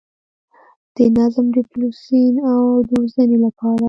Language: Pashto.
د نظم، ډسپلین او روزنې لپاره